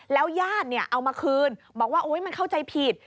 แล้วย่านเอามาคืนบอกว่ามันเข้าใจผิด